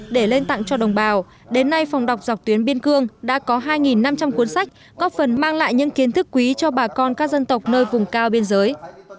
để lên tặng cho đồng bào đến nay phòng đọc dọc tuyến biên cương đã có hai năm trăm linh cuốn sách góp phần mang lại những kiến thức quý cho bà con các dân tộc nơi vùng cao biên giới